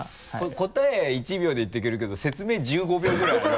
答えは１秒で言ってくれるけど説明１５秒ぐらいあるよね